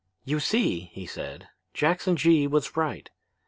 "'You see,' he said, 'Jackson Gee was right.